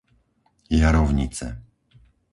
Jarovnice